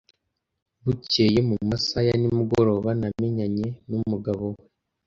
Bukeye, mu masaha ya nimugoroba, namenyanye n'umugabo we.